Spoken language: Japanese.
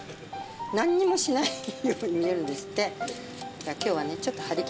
何にもしないように見えるんですって。